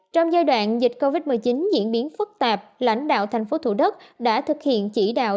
trong giai đoạn dịch covid một mươi chín diễn biến phức tạp lãnh đạo thành phố thủ đức đã thực hiện chỉ đạo